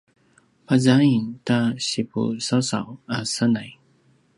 pazaing ta sipusausaw a senay